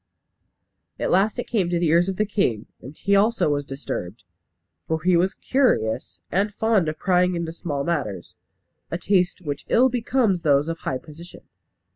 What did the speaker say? At last it came to the ears of the king, and he also was disturbed. For he was curious, and fond of prying into small matters; a taste which ill becomes those of high position.